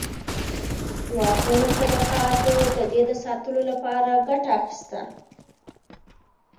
واکمنو طبقاتو د دې د ساتلو لپاره ګټه اخیسته.